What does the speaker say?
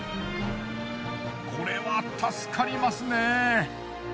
これは助かりますね。